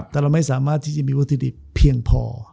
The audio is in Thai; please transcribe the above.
แต่เราไม่สามารถที่จะมีวัตถุดิบเพียงพอ